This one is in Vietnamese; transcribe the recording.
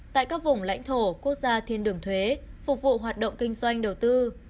tại các vùng lãnh thổ quốc gia thiên đường thuế phục vụ hoạt động kinh doanh đầu tư